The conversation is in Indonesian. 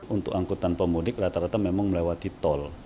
untuk angkutan pemudik rata rata memang melewati tol